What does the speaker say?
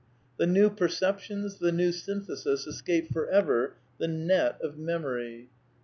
The new perceptions, the new syi; ithesis .escape for ever the net of memory.